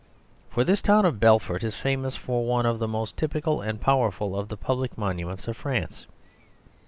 For this town of Belfort is famous for one of the most typical and powerful of the public monuments of France.